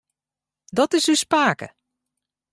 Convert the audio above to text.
Dat is ús pake.